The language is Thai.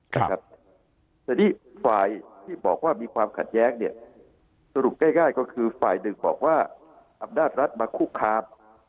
ทีนี้ฝ่ายที่บอกว่ามีความขัดแย้งเนี่ยสรุปง่ายก็คือฝ่ายหนึ่งบอกว่าอำนาจรัฐมาคุกคาม